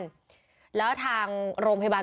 ต้องส่งไปที่โรงพยาบาลแล้วทางโรงพยาบาล